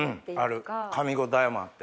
あるかみ応えもあって。